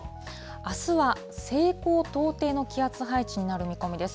あすは西高東低の気圧配置になる見込みです。